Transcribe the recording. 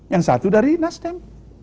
yang satu dari nasdem